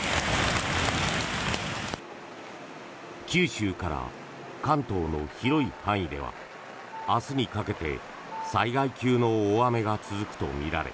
九州から関東の広い範囲では明日にかけて災害級の大雨が続くとみられ